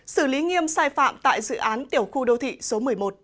xử lý nghiêm sai phạm tại dự án tiểu khu đô thị số một mươi một